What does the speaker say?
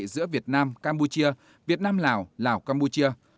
giữa việt nam campuchia việt nam lào lào campuchia